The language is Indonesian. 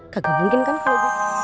gagal mungkin kan kalau